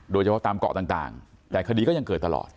โดยเฉพาะตามเกาะต่างแต่คดีก็ยังเกิดตลอด